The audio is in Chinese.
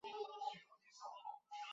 现时正在建设交流道中。